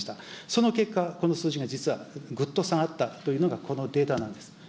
その結果、この数字が実はぐっと下がったというのが、このデータなんです。